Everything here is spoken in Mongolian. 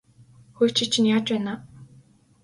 Хөөе чи чинь яаж байна аа?